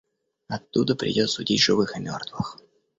оттуда придёт судить живых и мертвых.